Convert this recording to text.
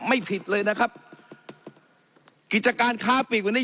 ไม่ผิดเลยนะครับกิจการค้าปีกวันนี้